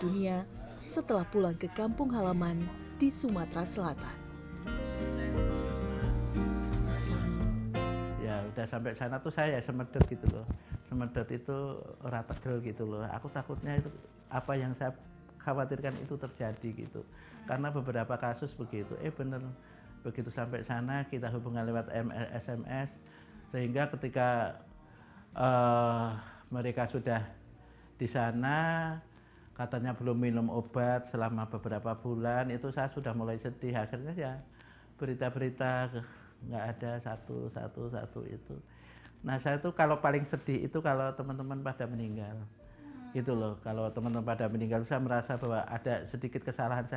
kalau teman teman pada meninggal saya merasa bahwa ada sedikit kesalahan saya